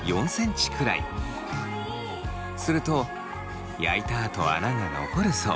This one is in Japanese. すると焼いたあと穴が残るそう。